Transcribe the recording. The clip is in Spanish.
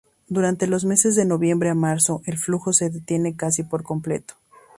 Durante los meses de noviembre a marzo, el flujo se detiene casi por completo.